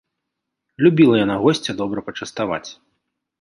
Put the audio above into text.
Любіла яна госця добра пачаставаць.